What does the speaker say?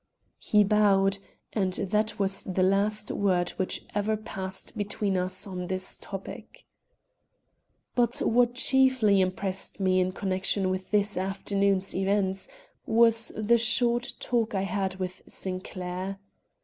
He bowed, and that was the last word which ever passed between us on this topic. But what chiefly impressed me in connection with this afternoon's events was the short talk I had with Sinclair.